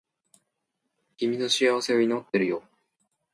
君の幸せを祈っているよ